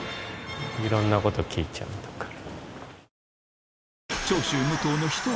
いろんなこと聞いちゃうんだから。